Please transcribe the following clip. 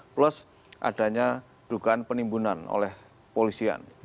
plus adanya dugaan penimbunan oleh polisian